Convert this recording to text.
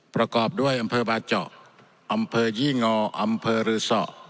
ประกอบด้วยอำเภอบาเจาะอำเภอยี่งออำเภอรือสอ